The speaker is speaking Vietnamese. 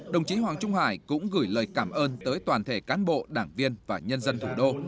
đồng chí hoàng trung hải cũng gửi lời cảm ơn tới toàn thể cán bộ đảng viên và nhân dân thủ đô